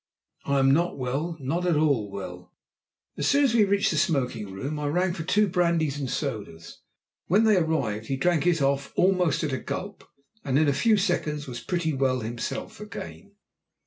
"I am not well not at all well." As soon as we reached the smoking room I rang for two brandies and sodas. When they arrived he drank his off almost at a gulp, and in a few seconds was pretty well himself again.